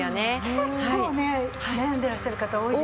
結構ね悩んでらっしゃる方多いです。